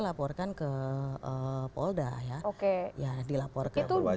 laporkan ke polda ya dilapor ke